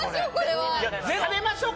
「食べましょう！